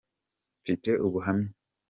mfite ubuhamya.